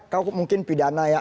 kau mungkin pidana ya